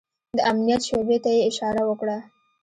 د امنيت شعبې ته يې اشاره وکړه.